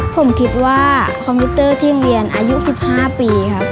ผมคิดว่าคอมพิวเตอร์ที่โรงเรียนอายุ๑๕ปีครับ